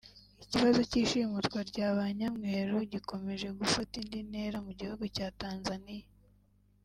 Ikibazo cy’ishimutwa rya ba nyamweru gikomeje gufata indi ntera mu gihugu cya Tanzaniya